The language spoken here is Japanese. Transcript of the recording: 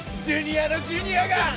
ジュニアのジュニアが。